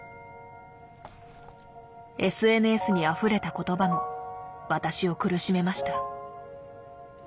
ＳＮＳにあふれた言葉も私を苦しめました。